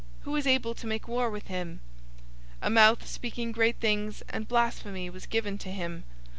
Who is able to make war with him?" 013:005 A mouth speaking great things and blasphemy was given to him.